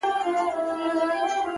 زلفـي را تاوي کړي پــر خپلـو اوږو!